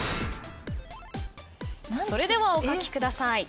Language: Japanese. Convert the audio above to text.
それではお書きください。